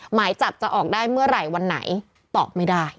หมายจับจะออกได้เมื่อไหร่วันไหนตอบไม่ได้